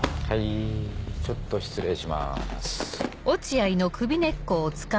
はいちょっと失礼します。